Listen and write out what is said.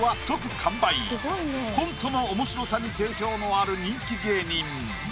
コントの面白さに定評のある人気芸人。